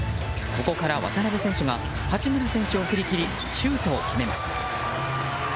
渡邊選手が八村選手を振り切りシュートを決めます。